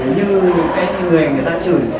như những cái người người ta chửi